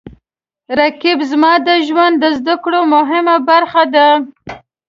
رقیب زما د ژوند د زده کړو مهمه برخه ده